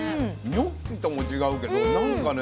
ニョッキとも違うけどなんかね